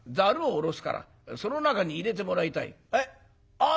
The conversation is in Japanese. ああ